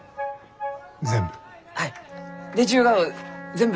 全部？